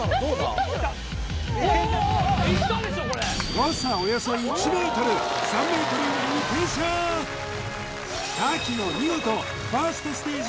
誤差およそ１ｍ３ｍ以内に停車瀧野見事ファーストステージ